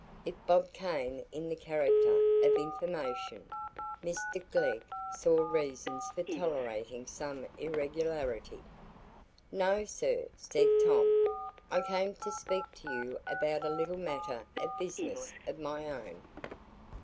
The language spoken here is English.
If Bob came in the character of "information," Mr Glegg saw reasons for tolerating some irregularity. "No, sir," said Tom; "I came to speak to you about a little matter of business of my own."